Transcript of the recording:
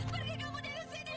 pergi kamu dari sini